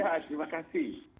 ya terima kasih